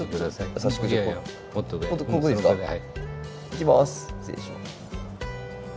いきます。